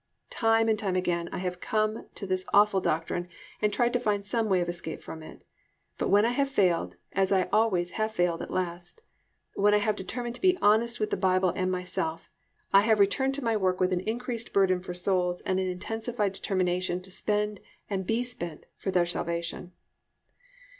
Time and time again I have come up to this awful doctrine and tried to find some way of escape from it, but when I have failed, as I always have failed at last, when I have determined to be honest with the Bible and myself, I have returned to my work with an increased burden for souls and an intensified determination to spend and be spent for their salvation.